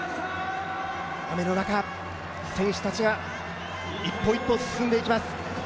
雨の中、選手たちが一歩一歩進んでいきます。